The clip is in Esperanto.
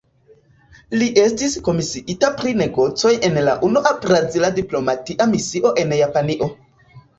Li estis komisiita pri negocoj en la unua brazila diplomatia misio en Japanio.